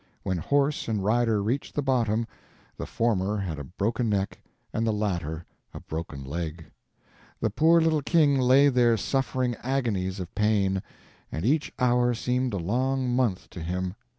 When horse and rider reached the bottom, the former had a broken neck and the latter a broken leg. The poor little king lay there suffering agonies of pain, and each hour seemed a long month to him.